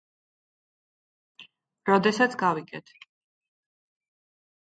როდესაც გავიგეთ.